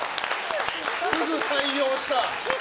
すぐ採用した。